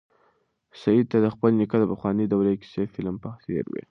سعید ته د خپل نیکه د پخوانۍ دورې کیسې د فلم په څېر وې.